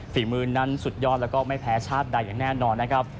ฝีมือนั้นสุดยอดแล้วก็ไม่แพ้ชาติใดอย่างแน่นอนนะครับ